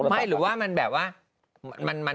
ไม่หรือว่ามันแบบว่า